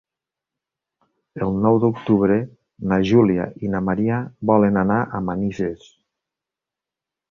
El nou d'octubre na Júlia i na Maria volen anar a Manises.